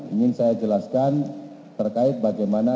ingin saya jelaskan terkait bagaimana